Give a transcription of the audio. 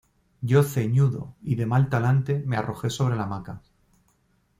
yo ceñudo y de mal talante, me arrojé sobre la hamaca